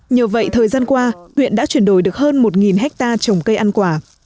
nhờ vậy thời gian qua huyện đã chuyển đổi được hơn một hectare trồng cây ăn quả